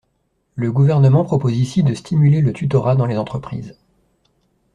Le Gouvernement propose ici de stimuler le tutorat dans les entreprises.